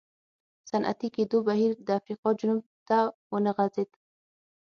صنعتي کېدو بهیر د افریقا جنوب ته ونه غځېد.